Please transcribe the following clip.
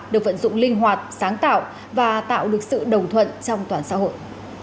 được vận dụng linh hoạt sáng tạo và tạo được sự đồng thuận trong toàn xã hội